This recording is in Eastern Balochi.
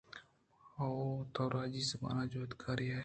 ھو، تو راجی زّبان ءِ جُھدکارے ئے۔